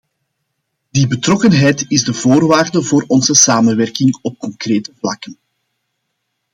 Die betrokkenheid is de voorwaarde voor onze samenwerking op concrete vlakken.